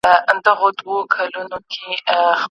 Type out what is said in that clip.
اورنګ زېب هم محتسب وو هم سلطان وو